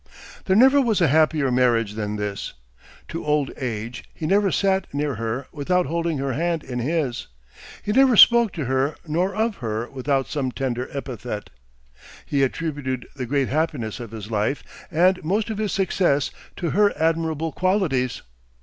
There never was a happier marriage than this. To old age, he never sat near her without holding her hand in his. He never spoke to her nor of her without some tender epithet. He attributed the great happiness of his life and most of his success to her admirable qualities.